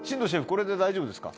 これで大丈夫ですか？